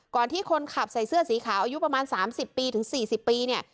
ที่คนขับใส่เสื้อสีขาวอายุประมาณ๓๐ปีถึง๔๐ปีเนี่ย